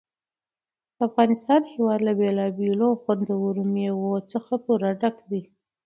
د افغانستان هېواد له بېلابېلو او خوندورو مېوو څخه پوره ډک دی.